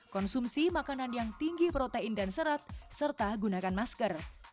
konsumsi makanan yang tinggi protein dan serat serta gunakan masker